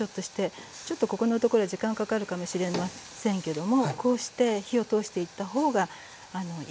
ちょっとここのところで時間はかかるかもしれませんけどもこうして火を通していった方がいいですね。